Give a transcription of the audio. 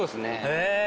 へえ。